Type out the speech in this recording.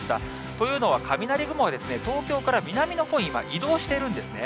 というのは雷雲は、東京から南のほうに今、移動しているんですね。